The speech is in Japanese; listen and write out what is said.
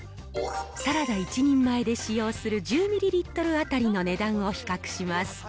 サラダ１人前で使用する１０ミリリットル当たりの値段を比較します。